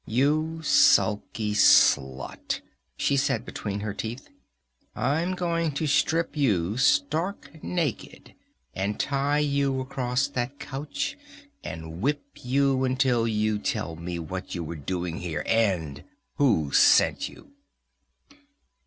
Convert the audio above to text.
"You sulky slut!" she said between her teeth. "I'm going to strip you stark naked and tie you across that couch and whip you until you tell me what you were doing here, and who sent you!"